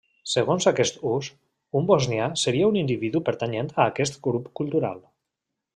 Segons aquest ús, un bosnià seria un individu pertanyent a aquest grup cultural.